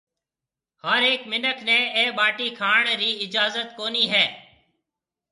ھر ھيَََڪ مِنک نَي اَي ٻاٽِي کاوڻ رِي اِجازت ڪوني هيَ۔